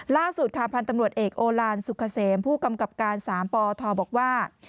ล่าสุดค่ะพันธ์ตำรวจเอกโอลานสุขเสมผู้กำกับการ๓ปทบอกว่า